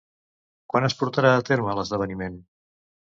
Quan es portarà a terme l'esdeveniment?